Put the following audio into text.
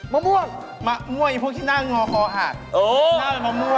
มะม่วงมะม่วงอย่างพวกที่นั่งงออ่ะนั่งแบบมะม่วง